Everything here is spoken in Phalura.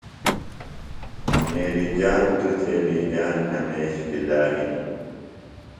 میری جان توۡ تھےۡ می جان ہمیش فدا ہِنیۡ۔